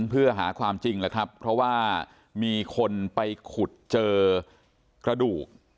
เพื่อหาความจริงแล้วครับเพราะว่ามีคนไปขุดเจอกระดูก